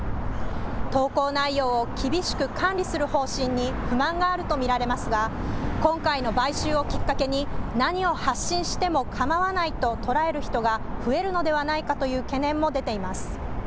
投稿内容を厳しく管理する方針に不満があると見られますが今回の買収をきっかけに何を発信してもかまわないと捉える人が増えるのではないかという懸念も出ています。